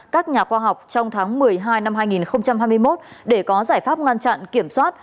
các nhà khoa học trong tháng một mươi hai năm hai nghìn hai mươi một để có giải pháp ngăn chặn kiểm soát